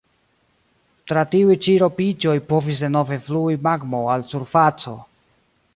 Tra tiuj ĉi ropiĝoj povis denove flui magmo al la surfaco.